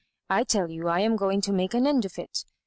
I tell you I am going to make an end of it.